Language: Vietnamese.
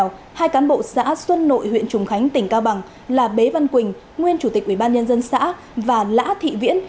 ủy ban nhân dân xã xuân nội huyện trùng khánh tỉnh cao bằng là bế văn quỳnh nguyên chủ tịch ủy ban nhân dân xã và lã thị viễn